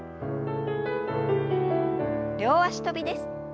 両脚跳びです。